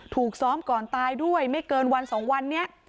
ถูกซ้อมก่อนตายด้วยไม่เกินวันสองวันนี้